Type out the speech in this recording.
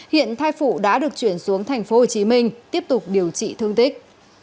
hiện thai phụ đã được chuyển xuống thành phố hồ chí minh tiếp tục điều trị thương tích